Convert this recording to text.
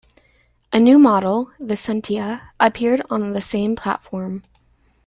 A new model, the Sentia, appeared on the same platform.